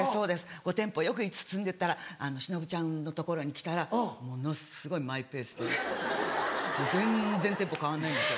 テンポよく進んでったら忍ちゃんのところに来たらものすごいマイペースで全然テンポ変わんないんですよ。